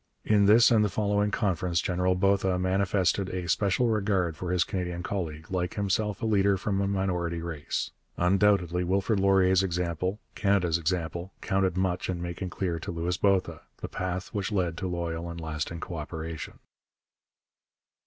In this and the following Conference General Botha manifested a special regard for his Canadian colleague, like himself a leader from a minority race. Undoubtedly Wilfrid Laurier's example, Canada's example, counted much in making clear to Louis Botha the path which led to loyal and lasting co operation.